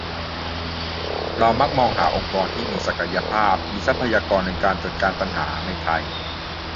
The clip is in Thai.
เรามักมองหาองค์กรที่มีศักยภาพมีทรัพยากรในการจัดการปัญหา ในไทย